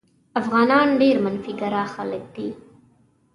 افغانان ډېر منفي ګرا خلک دي.